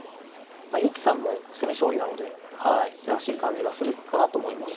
勇気さんも攻め将棋なのでらしい感じがするかなと思います。